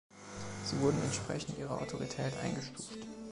Sie wurden entsprechend ihrer Autorität eingestuft.